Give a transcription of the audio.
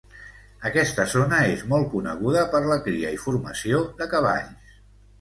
Aquesta zona és molt coneguda per la cria i formació de cavalls.